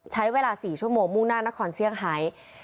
ใช้เวลา๔ชั่วโมงมุ่งหน้านครเซี่ยงไฮ